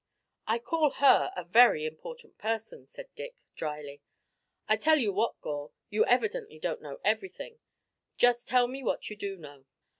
"I call her a very important person," said Dick, dryly. "I tell you what, Gore, you evidently don't know everything. Just tell me what you do know."